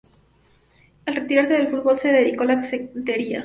Al retirarse del fútbol se dedicó a la cetrería.